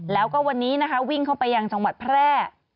แล้วก็วันนี้นะคะวิ่งเข้าไปยังจังหวัดแพร่